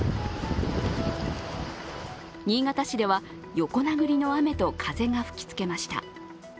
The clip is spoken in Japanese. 新潟市では、横殴りの雨と風が吹きつけました。